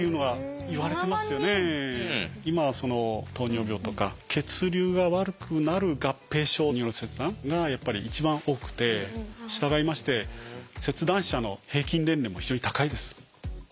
今はその糖尿病とか血流が悪くなる合併症による切断が一番多くて従いまして切断者の平均年齢も非常に高いです。